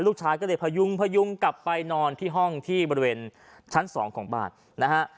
ลูกชายก็เลยพยุงพยุงกลับไปนอนที่ห้องที่บริเวณชั้นสองของบ้านนะฮะ